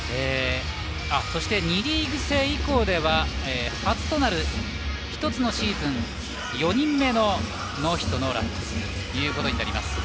そして二塁制以降では初となる１つのシーズン４人目のノーヒットノーランとなりました。